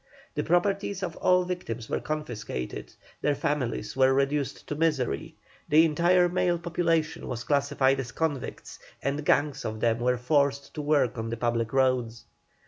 The properties of all victims were confiscated; their families were reduced to misery; the entire male population was classified as convicts, and gangs of them were forced to work on the public roads.